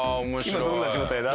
今どんな状態だ？